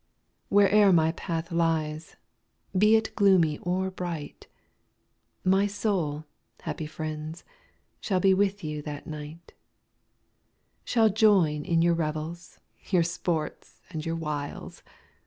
Where'er my path lies, be it gloomy or bright, My soul, happy friends, shall be with you that night ; Shall join in your revels, your sports and your wiles.